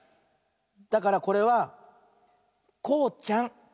だからこれは「こうちゃん」。